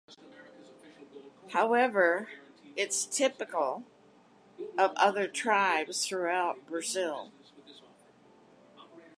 However, it is typical of other tribes throughout Brazil.